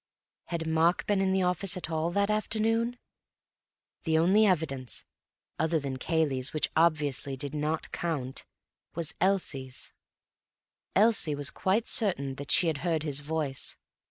Had Mark been in the office at all that afternoon? The only evidence (other than Cayley's, which obviously did not count) was Elsie's. Elsie was quite certain that she had heard his voice.